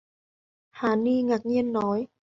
Hà ni Ngạc nhiên nói